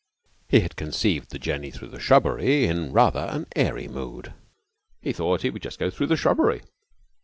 He had conceived the journey through the shrubbery in rather an airy mood. He thought he would just go through the shrubbery.